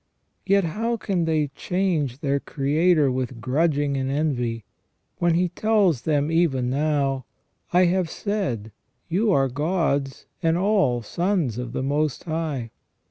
Yet how can they charge their Creator with grudging and envy, when He tells them even now :" I have said: Ye are gods, and all sons of the Most High".